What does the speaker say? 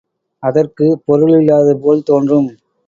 அதற்குப் பொருள் இல்லாதது போல் தோன்றும்!